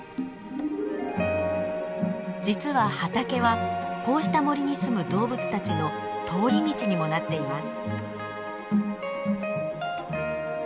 実は畑はこうした森にすむ動物たちの通り道にもなっています。